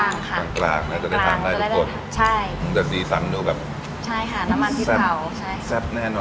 ในกลางกลางค่ะในกลางในกลางน่าจะได้ทำได้ทุกคนใช่